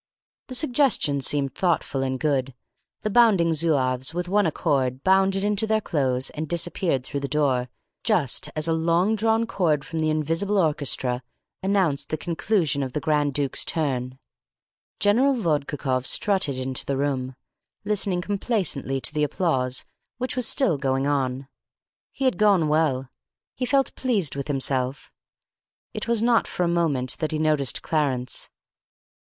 The suggestion seemed thoughtful and good. The Bounding Zouaves, with one accord, bounded into their clothes and disappeared through the door just as a long drawn chord from the invisible orchestra announced the conclusion of the Grand Duke's turn. General Vodkakoff strutted into the room, listening complacently to the applause which was still going on. He had gone well. He felt pleased with himself. It was not for a moment that he noticed Clarence.